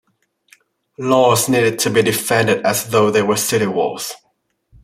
Laws needed to be defended as though they were city walls.